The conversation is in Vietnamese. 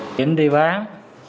chị diễm đi bán